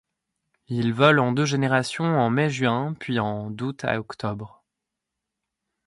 Il vole en deux générations en mai-juin puis en d'août à octobre.